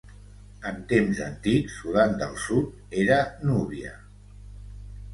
En temps antics, Sudan del Sud era Núbia.